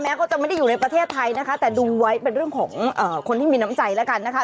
เขาจะไม่ได้อยู่ในประเทศไทยนะคะแต่ดูไว้เป็นเรื่องของคนที่มีน้ำใจแล้วกันนะคะ